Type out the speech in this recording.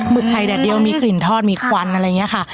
ึกไข่แดดเดียวมีกลิ่นทอดมีควันอะไรอย่างนี้ค่ะ